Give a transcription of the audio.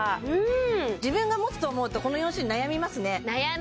自分が持つと思うとこの４種類悩みますね悩む！